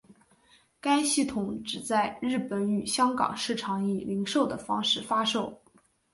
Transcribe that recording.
该系统只在日本与香港市场以零售的方式发售。